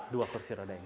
dua kursi roda ini yuk